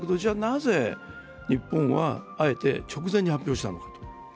なぜ、日本はあえて直前に発表したのかと。